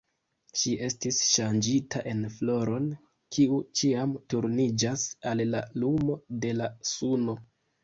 Ŝi estis ŝanĝita en floron, kiu ĉiam turniĝas al la lumo de la suno.